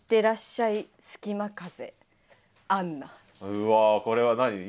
うわこれは何？